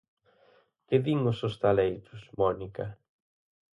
Que din os hostaleiros, Mónica?